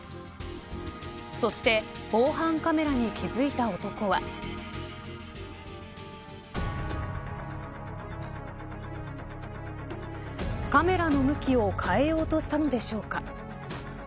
そして防犯カメラに気付いた男はカメラの向きを変えようとしたのでしょうか。